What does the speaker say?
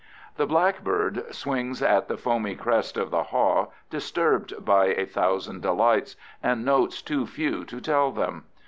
The blackbird swings at the foamy crest of the haw, disturbed by a thousand delights, and notes too few to tell them.